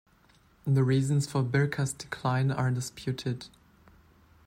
The reasons for Birka's decline are disputed.